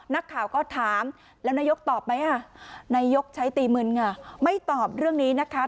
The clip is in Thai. นักข่าวก็ถามแล้วนายกตอบไหมนายกใช้ตีมึนค่ะไม่ตอบเรื่องนี้นะคะ